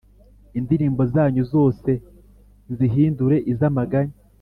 indirimbo zanyu zose nzihindure iz’amaganya.